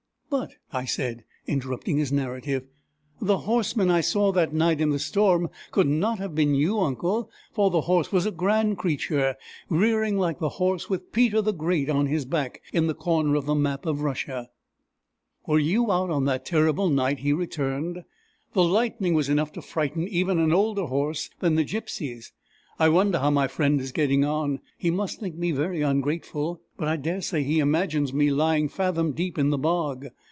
"But," I said, interrupting his narrative, "the horseman I saw that night in the storm could not have been you, uncle; for the horse was a grand creature, rearing like the horse with Peter the Great on his back, in the corner of the map of Russia!" "Were you out that terrible night?" he returned. "The lightning was enough to frighten even an older horse than the gypsy's. I wonder how my friend is getting on! He must think me very ungrateful! But I daresay he imagines me lying fathom deep in the bog.